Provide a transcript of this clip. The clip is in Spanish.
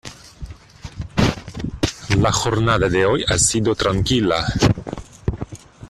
La jornada de hoy ha sido tranquila.